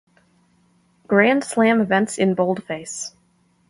Grand slam events in boldface.